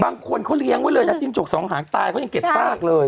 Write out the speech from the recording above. บางคนเขาเลี้ยงไว้เลยนะจิ้งจกสองหางตายเขายังเก็บซากเลย